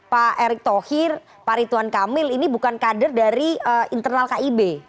pak erick thohir pak rituan kamil ini bukan kader dari internal kib